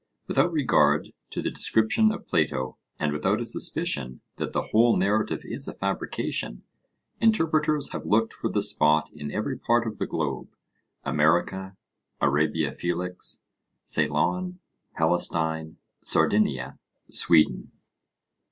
Without regard to the description of Plato, and without a suspicion that the whole narrative is a fabrication, interpreters have looked for the spot in every part of the globe, America, Arabia Felix, Ceylon, Palestine, Sardinia, Sweden.